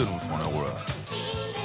これ。